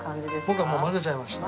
僕はもう混ぜちゃいました。